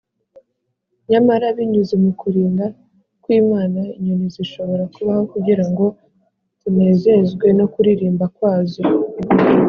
nyamara binyuze mu kurinda kw’imana, inyoni zishobora kubaho kugira ngo tunezezwe no kuririmba kwazo